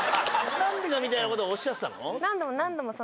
何でかみたいな事はおっしゃってたの？